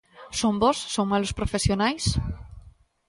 ¿Son bos, son malos profesionais?